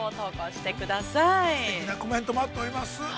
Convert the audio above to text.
◆すてきなコメント待っております。